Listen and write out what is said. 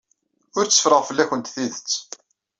Ur tteffreɣ fell-awent tidet.